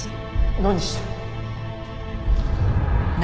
何してる？